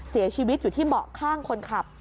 เสียชีวิตอยู่ที่เบาะข้างคนขับ